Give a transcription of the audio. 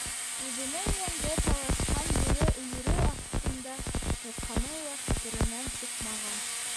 Үҙенең йәнгә талашҡан бүре өйөрө аҫтында ятҡаны ла хәтеренән сыҡмаған.